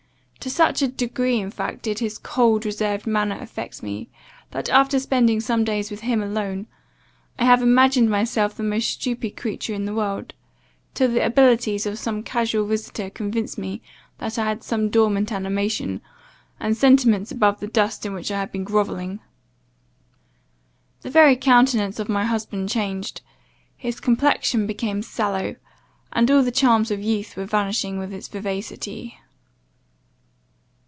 To such a degree, in fact, did his cold, reserved manner affect me, that, after spending some days with him alone, I have imagined myself the most stupid creature in the world, till the abilities of some casual visitor convinced me that I had some dormant animation, and sentiments above the dust in which I had been groveling. The very countenance of my husband changed; his complexion became sallow, and all the charms of youth were vanishing with its vivacity.